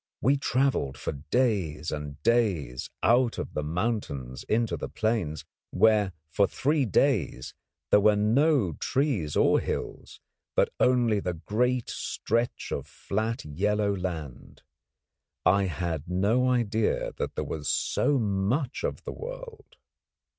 We travelled for days and days, out of the mountains into the plains, where for three days there were no trees or hills, but only the great stretch of flat yellow land. I had no idea that there was so much of the world.